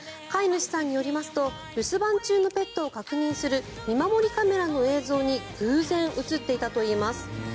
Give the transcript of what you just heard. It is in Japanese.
飼い主さんによりますと留守番中のペットを確認する見守りカメラの映像に偶然映っていたといいます。